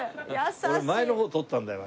俺前の方を取ったんだよな